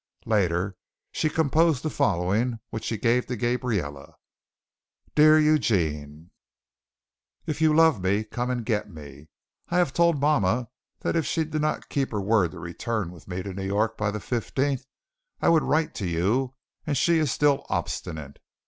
Later, she composed the following, which she gave to Gabrielle: "Dear Eugene If you love me, come and get me. I have told mama that if she did not keep her word to return with me to New York by the fifteenth, I would write to you and she is still obstinate.